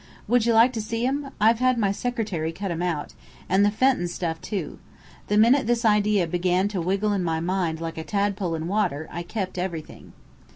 Would you like to see 'em? I've had my secretary cut 'em out and the Fenton stuff, too. The minute this idea began to wiggle in my mind like a tadpole in water, I kept everything."